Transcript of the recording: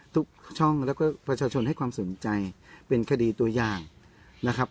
ทุกช่องแล้วก็ประชาชนให้ความสนใจเป็นคดีตัวอย่างนะครับ